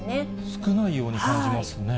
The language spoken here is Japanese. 少ないように感じますね。